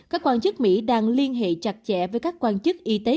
các quan chức mỹ đang liên hệ chặt chẽ với các quan chức y tế